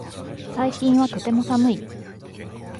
最近はとても寒い